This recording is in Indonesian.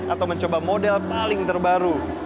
atau mencoba model paling terbaru